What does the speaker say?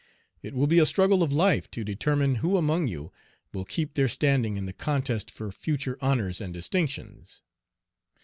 It will be a struggle of life to determine who among you will keep their standing in the contest for future honors and distinctions.